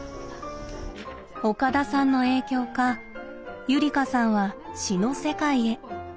岡田さんの影響かゆりかさんは詩の世界へ。